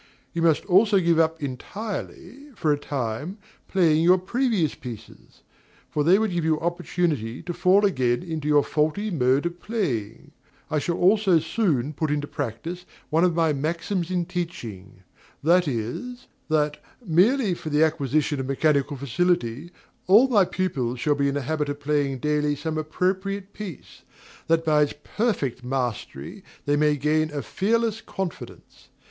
You must also give up entirely, for a time, playing your previous pieces; for they would give you opportunity to fall again into your faulty mode of playing. I shall also soon put in practice one of my maxims in teaching; viz., that, merely for the acquisition of mechanical facility, all my pupils shall be in the habit of playing daily some appropriate piece, that by its perfect mastery they may gain a fearless confidence.